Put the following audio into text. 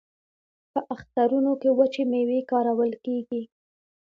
په اخترونو کې وچې میوې کارول کیږي.